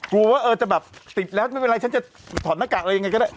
กลัวว่าเออจะแบบติดแล้วไม่เป็นไรฉันจะถอดหน้ากากอะไรยังไงก็ได้